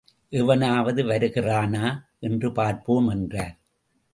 எவனாவது வருகிறானா என்று பார்ப்போம் என்றார்.